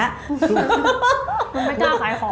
ไม่กล้าขายของ